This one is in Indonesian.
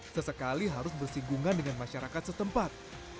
sesekali harus bersinggungan dengan masyarakat setempat